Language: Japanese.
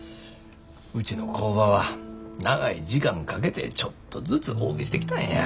うちの工場は長い時間かけてちょっとずつ大きしてきたんや。